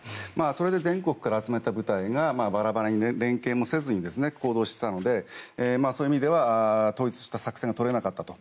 それで全国から集めた部隊がバラバラに連係もせずに行動していたのでそういう意味では統一した作戦がとれなかったと。